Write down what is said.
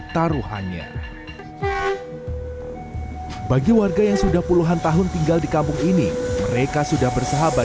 taruhannya bagi warga yang sudah puluhan tahun tinggal di kampung ini mereka sudah bersahabat